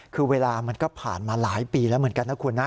คือเวลามันก็ผ่านมาหลายปีแล้วเหมือนกันนะคุณนะ